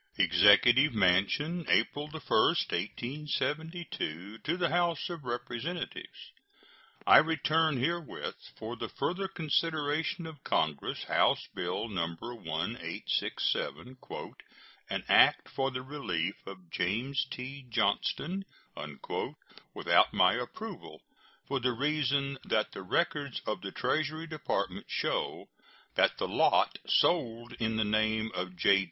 EXECUTIVE MANSION, April 1, 1872. To the House of Representatives: I return herewith, for the further consideration of Congress, House bill No. 1867, "An act for the relief of James T. Johnston," without my approval, for the reason that the records of the Treasury Department show that the lot sold in the name of J.